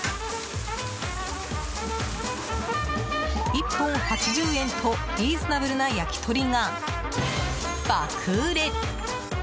１本８０円とリーズナブルな焼き鳥が爆売れ。